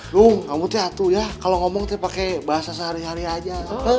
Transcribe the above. duh kamu tuh hatu ya kalau ngomong pakai bahasa sehari hari saja